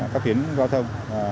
các tuyến giao thông